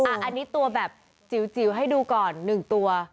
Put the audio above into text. อันนี้ตัวแบบจิ๋วให้ดูก่อน๑ตัว